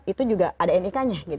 itu juga ada nik nya